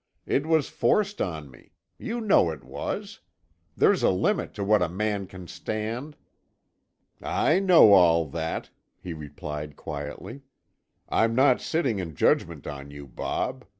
"It was forced on me. You know it was. There's a limit to what a man can stand." "I know all that," he replied quietly. "I'm not sitting in judgment on you, Bob.